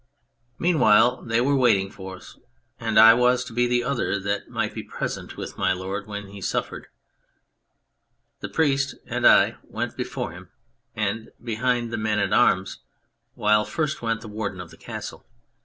Meanwhile they were waiting for us, and as I was to be the other that might be present with My Lord when he suffered, the priest and I went before him and behind the men at arms, while first went the Warden of the Castle.